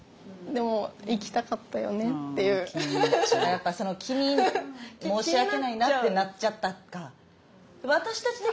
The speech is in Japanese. やっぱその気に申し訳ないなってなっちゃったか。